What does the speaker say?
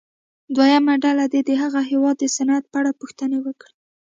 دویمه ډله دې د هغه هېواد د صنعت په اړه پوښتنې وکړي.